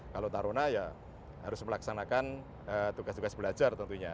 kalau taruna ya harus melaksanakan tugas tugas belajar tentunya